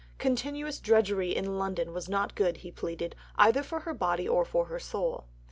Continuous drudgery in London was not good, he pleaded, either for her body or for her soul.